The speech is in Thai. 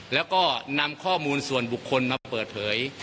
แล้วก็นำข้อมูลส่วนบุคคลมาเปิดเผย